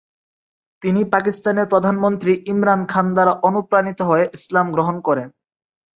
তিনি পাকিস্তানের প্রধানমন্ত্রী ইমরান খান দ্বারা অনুপ্রাণিত হয়ে ইসলাম গ্রহণ করেন।